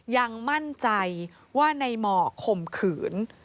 ยังมั่นใจว่าในหมอกข่มขืน